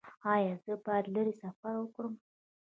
ایا زه باید لرې سفر وکړم؟